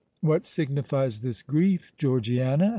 what signifies this grief, Georgiana?"